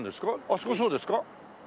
あそこそうですか？